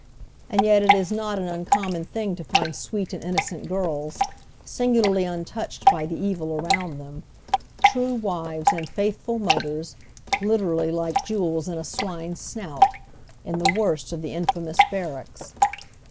And yet it is not an uncommon thing to find sweet and innocent girls, singularly untouched by the evil around them, true wives and faithful mothers, literally " like jewels in a swine's snout," in the worst of the in famous barracks.